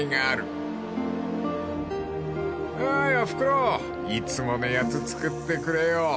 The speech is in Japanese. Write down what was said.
［おーいおふくろいつものやつ作ってくれよ］